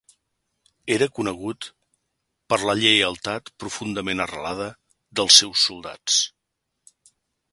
Era conegut per la lleialtat "profundament arrelada" dels seus soldats.